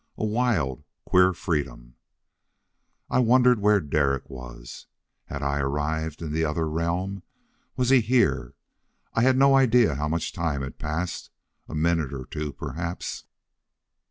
A wild, queer freedom. I wondered where Derek was. Had I arrived in the other realm? Was he here? I had no idea how much time had passed: a minute or two, perhaps.